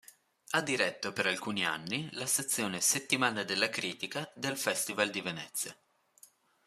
Ha diretto per alcuni anni la sezione "Settimana della critica" del Festival di Venezia.